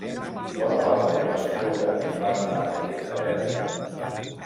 Bona part del que va escriure es basa en el text de Beda.